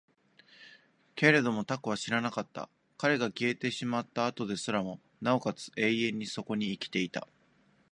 けれども蛸は死ななかった。彼が消えてしまった後ですらも、尚且つ永遠にそこに生きていた。